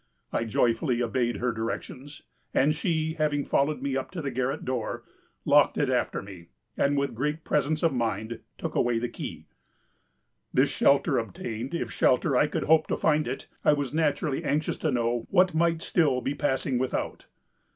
I joyfully obeyed her directions; and she, having followed me up to the garret door, locked it after me, and, with great presence of mind, took away the key. "This shelter obtained, if shelter I could hope to find it, I was naturally anxious to know what might still be passing without.